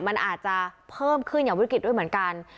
มันอาจจะเพิ่มขึ้นอย่างวิกฤตด้วยเหมือนกัน